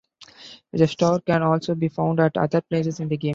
The star can also be found at other places in the game.